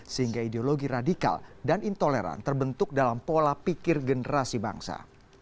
sehingga ideologi radikal dan intoleran terbentuk dalam pola pikir generasi bangsa